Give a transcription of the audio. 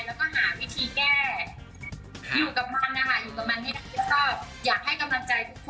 แล้วก็หาวิธีแก้อยู่กับมันนะคะอยู่กับมันก็อยากให้กำลังใจทุกคน